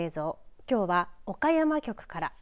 きょうは岡山局から。